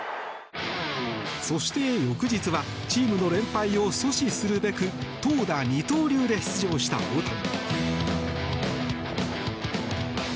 そして、翌日はチームの連敗を阻止するべく投打二刀流で出場した大谷。